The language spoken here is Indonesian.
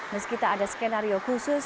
meskipun ada skenario khusus